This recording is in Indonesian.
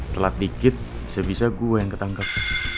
telat dikit bisa bisa gua yang ketangkap